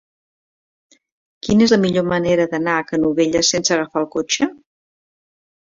Quina és la millor manera d'anar a Canovelles sense agafar el cotxe?